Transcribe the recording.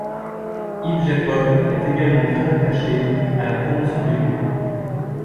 Yves Jacob est également très attaché à la promotion du livre.